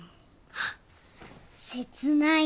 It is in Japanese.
あっ切ない！